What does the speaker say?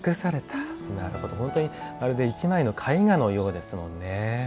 本当に、まるで一枚の絵画のようですもんね。